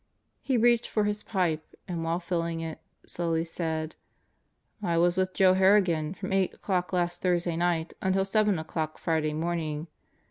He reached for his pipe and, while filling it, slowly said, "I was with Joe Harrigan from eight o'clock last Thursday night until seven o'clock Friday morning.